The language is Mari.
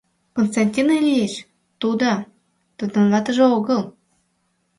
— Константин Ильич, тудо — тудын ватыже огыл.